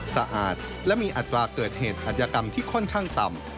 สะอาดและมีอัตราเกิดเหตุอัธยกรรมที่ค่อนข้างต่ำ